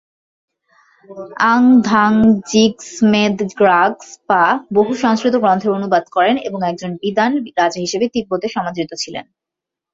ঙ্গাগ-দ্বাং-'জিগ্স-মেদ-গ্রাগ্স-পা বহু সংস্কৃত গ্রন্থের অনুবাদ করেন এবং একজন বিদ্বান রাজা হিসেবে তিব্বতে সমাদৃত ছিলেন।